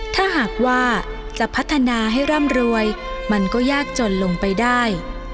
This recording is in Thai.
ถ้าหากว่าจะพัฒนาให้ร่ำรวยมันก็ยากจนลงไปได้